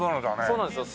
そうなんですよ。